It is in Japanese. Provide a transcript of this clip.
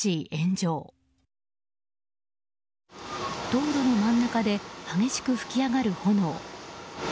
道路の真ん中で激しく噴き上がる炎。